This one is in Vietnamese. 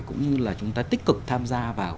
cũng như là chúng ta tích cực tham gia vào